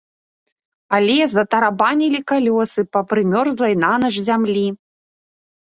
Але затарабанілі калёсы па прымёрзлай нанач зямлі.